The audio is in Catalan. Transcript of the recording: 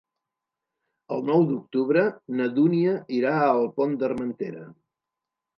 El nou d'octubre na Dúnia irà al Pont d'Armentera.